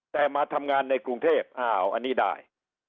แต่มาทำงานในกรุงเทพอ้าวอันนี้ได้